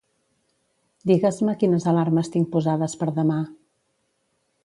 Digues-me quines alarmes tinc posades per demà.